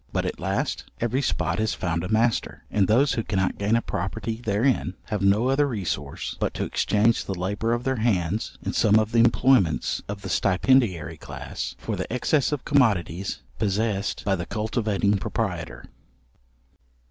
But at last, every spot has found a master, and those who cannot gain a property therein, have no other resource but to exchange the labour of their hands in some of the employments of the stipendiary class, for the excess of commodities possessed by the cultivating proprietor.